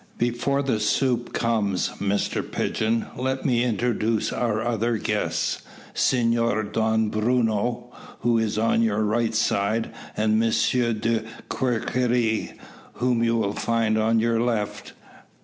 "Before the soup comes, Mr Pigeon, let me introduce our other guests Senor Don Bruno, who is on your right side, and Monsieur de Querkerie, whom you will find on your left.